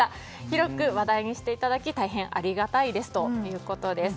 広く話題にしていただき大変ありがたいですということです。